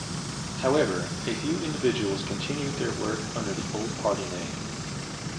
However, a few individuals continued their work under the old party name.